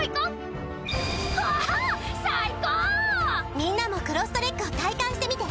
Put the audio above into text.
みんなもクロストレックを体感してみて！